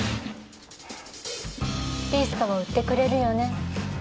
リストを売ってくれるよね？